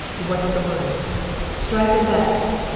What's the word?" "Drive them back!